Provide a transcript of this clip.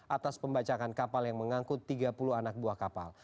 atas pembacakan kapal yang mengangkut tiga puluh anak buah kapal